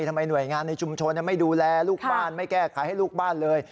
หน่วยงานในชุมชนไม่ดูแลลูกบ้านไม่แก้ไขให้ลูกบ้านเลย